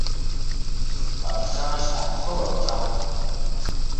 Аԥша ашьҭа ҳхылар ҿаҳҭып.